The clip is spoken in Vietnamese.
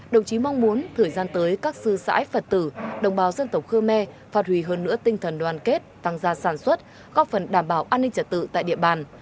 đồng chí mong muốn thời gian tới các sư sãi phật tử đồng bào dân tộc khơ me phát huy hơn nữa tinh thần đoàn kết tăng gia sản xuất góp phần đảm bảo an ninh trật tự tại địa bàn